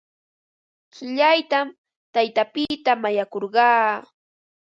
Qillaytam taytapita mañakurqaa.